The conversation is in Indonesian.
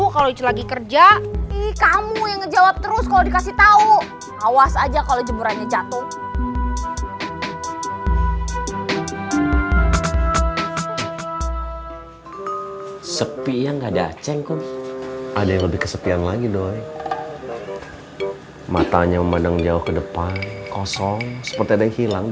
hai sepi yang ada cengkus ada yang lebih kesepian lagi doang matanya memandang jauh ke depan kosong